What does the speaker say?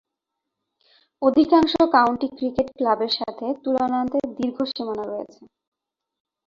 অধিকাংশ county cricket ক্লাবের সাথে তুলনান্তে দীর্ঘ সীমানা রয়েছে।